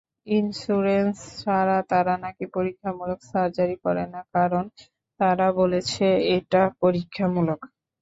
Insurance ছাড়া তারা নাকি পরীক্ষামূলক সার্জারি করে না, কারণ তারা বলেছে এটা পরীক্ষামূলক।